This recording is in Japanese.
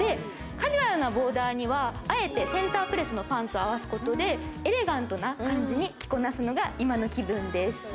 カジュアルのボーダーには、あえてセンタープレスのパンツを合わすことでエレガントな感じに着こなすのが今の気分です。